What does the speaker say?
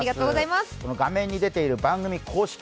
画面に出ている番組公式